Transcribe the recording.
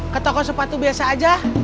ke toko sepatu biasa aja